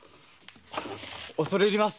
恐れ入ります。